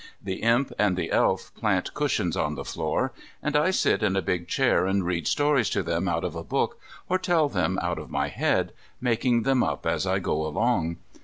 The Imp and the Elf plant cushions on the floor, and I sit in a big chair and read stories to them out of a book or tell them out of my head, making them up as I go along.